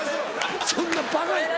そんなバカな。